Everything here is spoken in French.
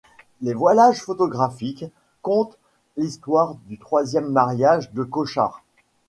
Les voilages photographiques content l'histoire du troisième mariage de Cochard.